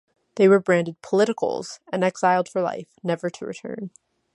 They were branded "politicals" and exiled for life, never to return.